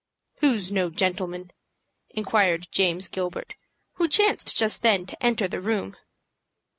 "Who's no gentleman?" inquired James Gilbert, who chanced just then to enter the room.